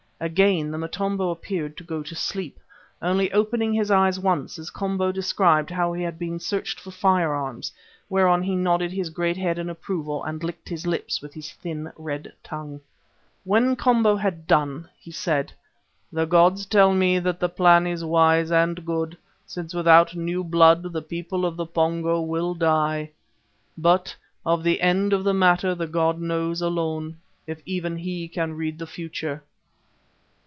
Again the Motombo appeared to go to sleep, only opening his eyes once as Komba described how we had been searched for firearms, whereon he nodded his great head in approval and licked his lips with his thin red tongue. When Komba had done, he said: "The gods tell me that the plan is wise and good, since without new blood the people of the Pongo will die, but of the end of the matter the god knows alone, if even he can read the future."